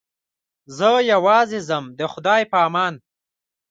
زه یوازې ځم د خدای په امان.